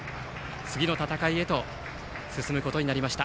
次の戦いへ進むことになりました。